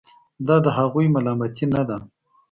دا د هغوی ملامتي نه ده.